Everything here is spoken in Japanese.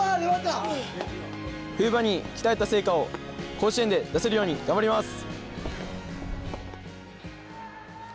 冬場に鍛えた成果を、甲子園で出せるように、頑張ります！